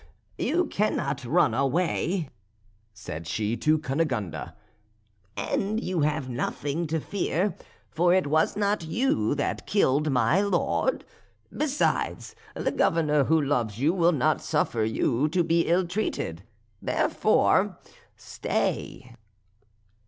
"You cannot run away," said she to Cunegonde, "and you have nothing to fear, for it was not you that killed my lord; besides the Governor who loves you will not suffer you to be ill treated; therefore stay."